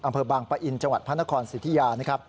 อำเภอบางปะอินจังหวัดพระนครสิทธิยานะครับ